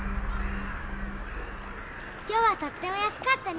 今日はとっても安かったね。